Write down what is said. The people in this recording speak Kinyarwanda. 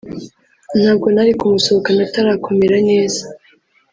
ntabwo nari kumusohokana atarakomera neza